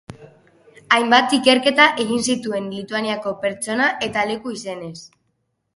Hainbat ikerketa egin zituen Lituaniako pertsona- eta leku-izenez.